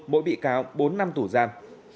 mỗi bị cáo bốn năm tủ gian